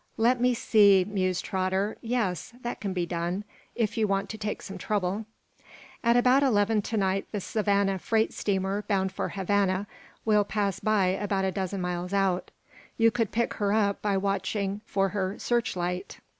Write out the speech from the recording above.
"Let me see," mused Trotter. "Yes; that can be done, if you want to take some trouble. At about eleven to night the Savannah freight steamer, bound for Havana, will pass by about a dozen miles out. You could pick her up by watching for her searchlight.